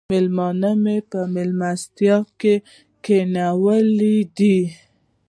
مېلما مې په مېلمستون کې کښېناولی دی